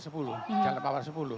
jalan mawar sepuluh